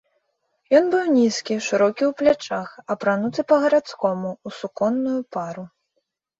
Ён быў нізкі, шырокі ў плячах, апрануты па-гарадскому ў суконную пару.